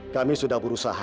kami sudah berusaha